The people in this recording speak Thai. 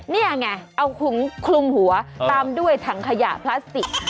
นี่ไงเอาคลุมหัวตามด้วยถังขยะพลาสติก